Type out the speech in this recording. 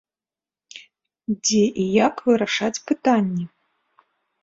Дзе і як вырашаць пытанні.